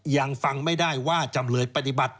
ยังฟังไม่ได้ว่าจำเลยปฏิบัติ